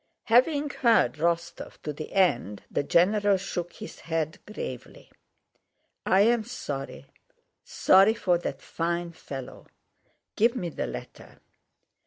Having heard Rostóv to the end, the general shook his head gravely. "I'm sorry, sorry for that fine fellow. Give me the letter."